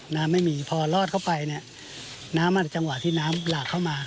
น้ำไม่มีพอลอดเข้าไปเนี่ยน้ำมาจากจังหวะที่น้ำหลากเข้ามา